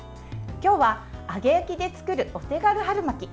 今日は揚げ焼きで作るお手軽春巻き。